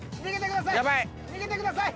逃げてください。